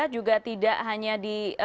juga tidak hanya di